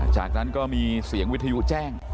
จากนั้นก็มีเสียงวิทยุแจ้ง